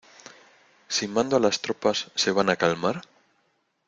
Si mando a las tropas, ¿ se van a calmar?